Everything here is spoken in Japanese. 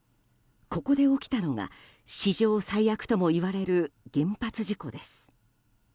ここで起きたのが史上最悪ともいわれる原発事故です。